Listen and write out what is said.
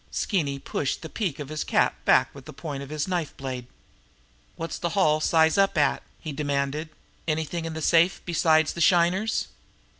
Skeeny pushed the peak of his cap back with the point of his knife blade. "What's the haul size up at?" he demanded. "Anything in the safe besides the shiners?"